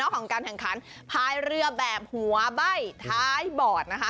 ของการแข่งขันพายเรือแบบหัวใบ้ท้ายบอดนะคะ